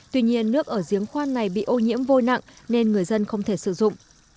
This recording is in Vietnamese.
tuy nhiên nước ở giếng khoan này bị ô nhiễm vôi nặng nên người dân không thể sử dụng